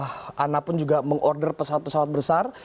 sehingga ana pun juga meng order pesawat pesawat besar